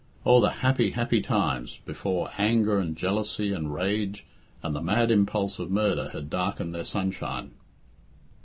Oh, the happy, happy times, before anger and jealousy and rage and the mad impulse of murder had darkened their sun shine!